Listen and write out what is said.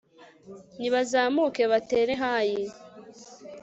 nibazamuke batere hayi